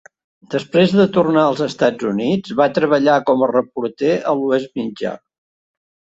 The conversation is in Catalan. Després de tornar als Estats Units, va treballar com a reporter a l'Oest Mitjà.